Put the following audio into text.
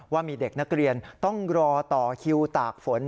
ว่ามีเด็กนักเรียนต้องรอต่อคิวตากฝน